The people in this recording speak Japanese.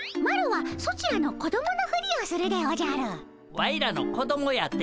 ワイらの子どもやて？